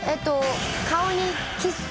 顔にキス。